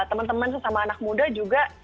teman teman sesama anak muda juga